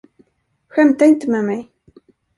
Skämta inte med mig!